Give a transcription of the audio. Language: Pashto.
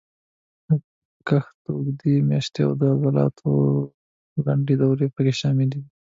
د کښت اوږدې میاشتې او د حاصلاتو لنډې دورې پکې شاملې وې.